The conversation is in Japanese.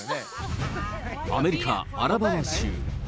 アメリカ・アラバマ州。